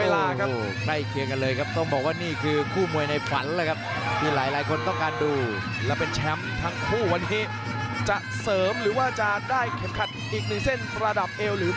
แล้วอีกมาตรมาใหญ่หลายคนครับ